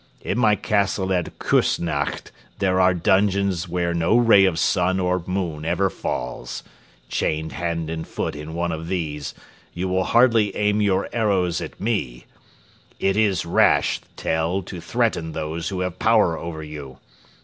In my castle at Küssnacht there are dungeons where no ray of sun or moon ever falls. Chained hand and foot in one of these, you will hardly aim your arrows at me. It is rash, Tell, to threaten those who have power over you.